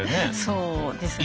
そうですね。